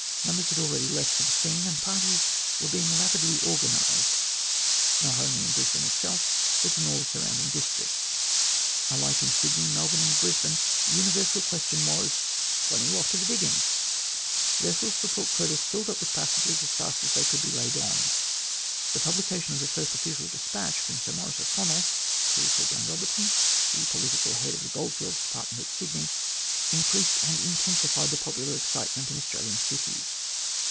Numbers had already left for the scene, and parties were being rapidly organised, not only in Brisbane itself, but in all the surrounding districts. Alike in Sydney, Melbourne, and Brisbane, the universal question was :" When are you off to the diggings ?" Vessels for Port Curtis filled up with passengers as fast as they could be " laid on." The publication of the first official despatch from Sir Maurice O'Connell to Sir John Robertson, the political head of the goldfields department at Sydney, increased and intensified the popular excitement in the Australian cities.